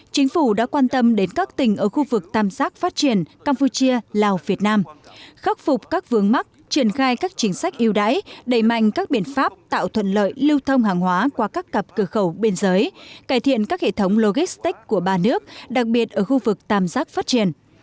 chính phủ đã quan tâm đến các tỉnh ở khu vực tam giác phát triển campuchia lào việt nam khắc phục các vướng mắt triển khai các chính sách yêu đáy đẩy mạnh các biện pháp tạo thuận lợi lưu thông hàng hóa qua các cặp cửa khẩu biên giới cải thiện các hệ thống logistic của ba nước đặc biệt ở khu vực tam giác phát triển